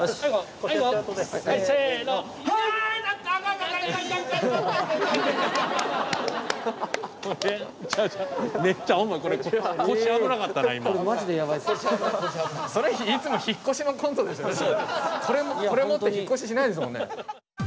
これ持って引っ越ししないですもんね。